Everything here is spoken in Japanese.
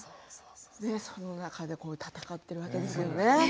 その中で戦っているわけですよね。